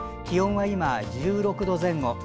気温は今、１６度前後。